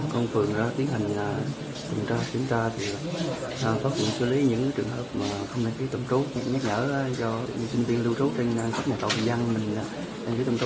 công phường đã tiến hành kiểm tra chúng ta phát triển xử lý những trường hợp không hề tổng trú